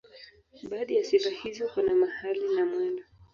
Baadhi ya sifa hizo kuna mahali na mwendo.